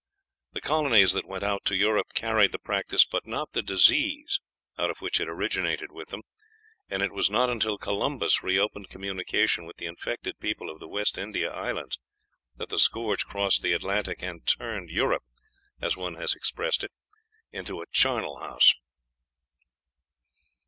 The colonies that went out to Europe carried the practice but not the disease out of which it originated with them; and it was not until Columbus reopened communication with the infected people of the West India Islands that the scourge crossed the Atlantic and "turned Europe," as one has expressed it, "into a charnal house."